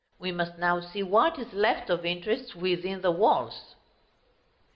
We must now see what is left of interest within the walls.